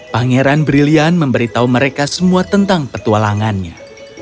pangeran brilian memberitahu mereka semua tentang petualangannya